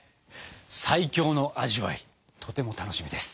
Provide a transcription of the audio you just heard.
最強の味わいとても楽しみです。